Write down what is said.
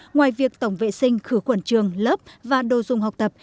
ngoài việc tổng vệ sinh khử khuẩn trường lớp và đồ dùng học tập